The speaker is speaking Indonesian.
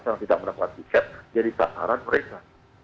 karena tidak mendapat tiket jadi sasaran mereka